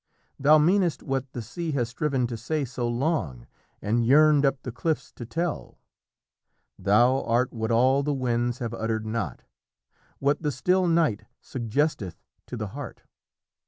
Thou meanest what the sea has striven to say So long, and yearned up the cliffs to tell; Thou art what all the winds have uttered not, What the still night suggesteth to the heart.